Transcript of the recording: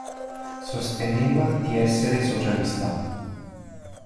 Sosteneva di essere socialista.